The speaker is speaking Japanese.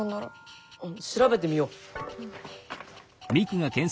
あっ調べてみよう。